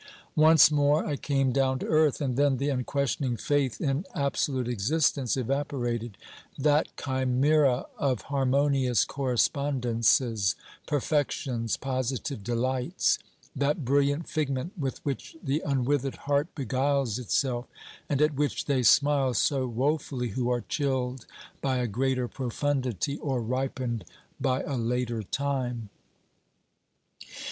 Once more I came down to earth, and then the unquestioning faith in absolute existence evaporated — that chimera of harmonious correspondences, perfections, positive delights ; that brilliant figment with which the unwithered heart beguiles itself, and at which they smile so woefully who are chilled by a greater profundity or ripened by a later time.